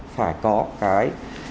phải có cái